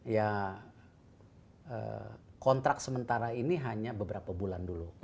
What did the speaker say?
ya kontrak sementara ini hanya beberapa bulan dulu